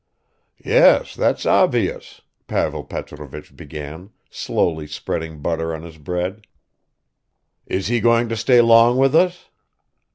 "Yes, that's obvious," Pavel Petrovich began, slowly spreading butter on his bread. "Is he going to stay long with us?"